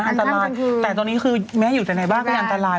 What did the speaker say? อันตรายแต่ตอนนี้คือแม้อยู่แต่ในบ้านก็อันตราย